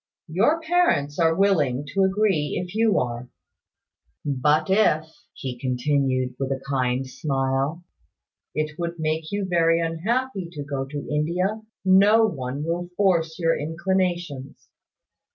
Your parents are willing to agree if you are. But if," he continued, with a kind smile, "it would make you very unhappy to go to India, no one will force your inclinations."